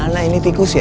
nah ini tikus ya